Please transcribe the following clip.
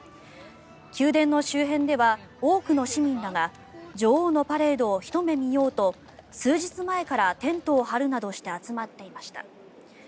宮殿の周辺では多くの市民らが女王のパレードをひと目見ようと数日前からテントを張るなどして集まっていました。